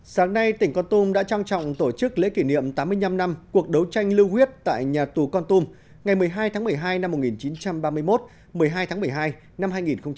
sáng nay tỉnh con tum đã trang trọng tổ chức lễ kỷ niệm tám mươi năm năm cuộc đấu tranh lưu huyết tại nhà tù con tum ngày một mươi hai tháng một mươi hai năm một nghìn chín trăm ba mươi một một mươi hai tháng một mươi hai năm hai nghìn một mươi chín